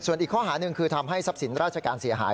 ส่วนอีกข้อหาหนึ่งคือทำให้ทรัพย์สินราชการเสียหาย